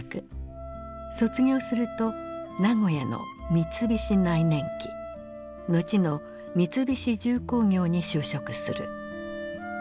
卒業すると名古屋の三菱内燃機後の三菱重工業に就職する。